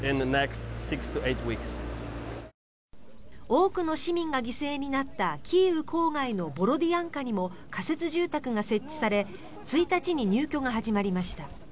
多くの市民が犠牲になったキーウ郊外のボロディアンカにも仮設住宅が設置され１日に入居が始まりました。